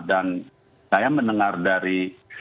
dan saya mendengar dari